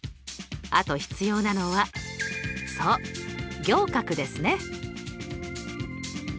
あと必要なのはそう仰角ですね！